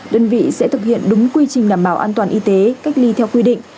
đơn vị sẽ thực hiện đúng quy trình đảm bảo an toàn y tế cách ly theo quy định